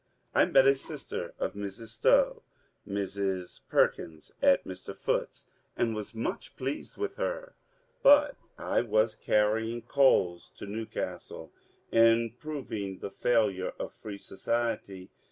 I met a sister of Mrs. Stowe, Mrs. Per kins, at Mr. Foote's, and was much pleased with her. But I was ^^ canring coals to Newcastle " in proving the ^' Failure of Free oociety."